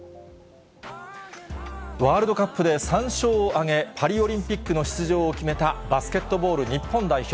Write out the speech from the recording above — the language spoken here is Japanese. ワールドカップで３勝を挙げ、パリオリンピックの出場を決めたバスケットボール日本代表。